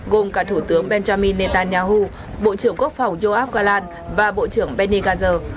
gồm cả thủ tướng benjamin netanyahu bộ trưởng quốc phòng yoav galan và bộ trưởng benny gantz